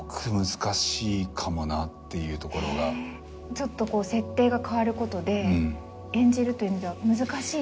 ちょっと設定が変わることで演じるという意味では難しいと感じる。